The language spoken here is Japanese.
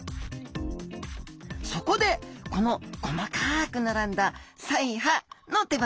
そこでこの細かく並んだ鰓耙の出番です！